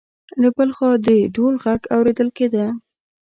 له بل خوا د ډول غږ اورېدل کېده.